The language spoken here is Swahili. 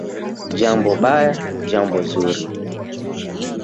"Jambo baya, jambo zuri"